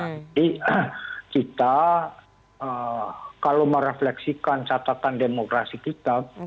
jadi kita kalau merefleksikan catatan demokrasi kita